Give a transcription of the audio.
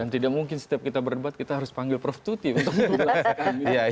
dan tidak mungkin setiap kita berdebat kita harus panggil prof tuti untuk menjelaskan